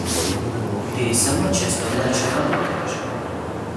Ты и сама часто в ночь работаешь.